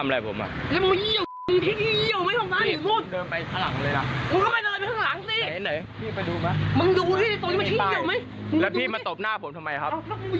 แล้วพี่มาตบหน้าผมทำไมครับ